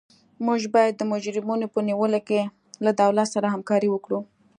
موږ باید د مجرمینو په نیولو کې له دولت سره همکاري وکړو.